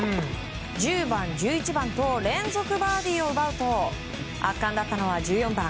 １０番、１１番と連続バーディーを奪うと圧巻だったのは１４番。